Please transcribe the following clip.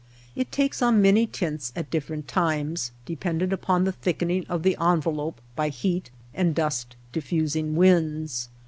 It takes on many tints at different times, dependent upon the thickening of the envelope by heat and dust diffusing winds.